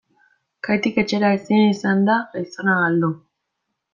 Kaitik etxera ezin izan da gizona galdu.